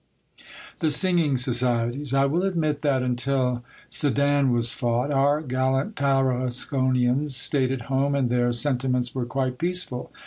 THE SINGING SOCIETIES. I WILL admit that, until Sedan was fought, our gallant Tarasconians stayed at home, and their sen timents were quite peaceful.